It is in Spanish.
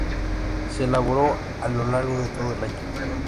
Se elabora a lo largo de todo el año.